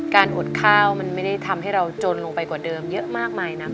อดข้าวมันไม่ได้ทำให้เราจนลงไปกว่าเดิมเยอะมากมายนะ